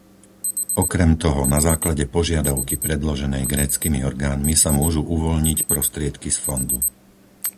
Okrem toho, na základe požiadavky predloženej gréckymi orgánmi sa môžu uvoľniť prostriedky z Fondu.